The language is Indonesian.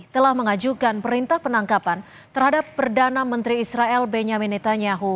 telah mengajukan perintah penangkapan terhadap perdana menteri israel benyamin netanyaho